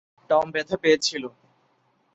Tom ব্যাথা পেয়েছিল।